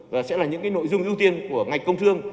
và sẽ là những nội dung ưu tiên của ngành công thương